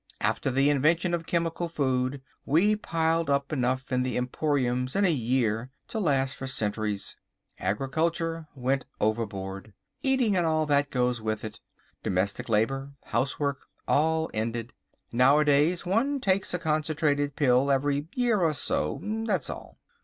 After the invention of Chemical Food we piled up enough in the emporiums in a year to last for centuries. Agriculture went overboard. Eating and all that goes with it, domestic labour, housework—all ended. Nowadays one takes a concentrated pill every year or so, that's all.